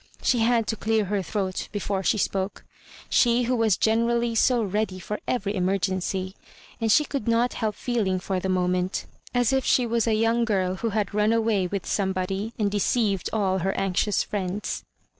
She had to dear her throat before she spoke — she who was generally so ready for every emergency; and she could not help feeling for the moment as if she was a young girl who had run away with somebody, and deceived all her anxious friends.